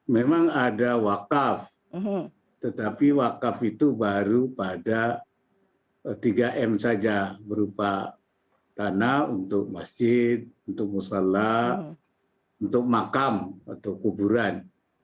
memang ada wakaf tetapi wakaf itu baru pada tiga m saja berupa tanah untuk masjid untuk musala untuk makam atau kuburan